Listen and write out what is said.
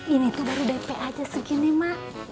ini tuh baru dp aja segini mak